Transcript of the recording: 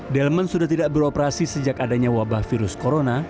delman sudah tidak beroperasi sejak adanya wabah virus corona